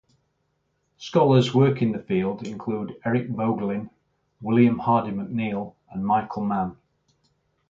Scholars working the field include Eric Voegelin, William Hardy McNeill and Michael Mann.